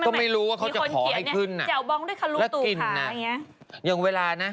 แจ่วบองด้วยค่ะลุงตูค่ะ